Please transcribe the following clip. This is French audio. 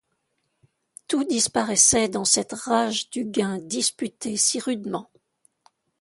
Tout disparaissait dans cette rage du gain disputé si rudement.